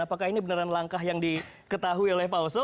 apakah ini beneran langkah yang diketahui oleh pak oso